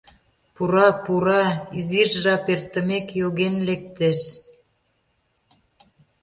Пура, пура, изиш жап эртымек, йоген лектеш!..